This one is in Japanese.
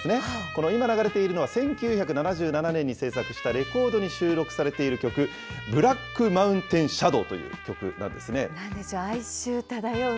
この今流れているのは１９７７年に制作したレコードに収録されている曲、ブラックマウンテンシャなんでしょう。